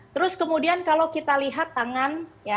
terus kemudian kalau kita lihat tangan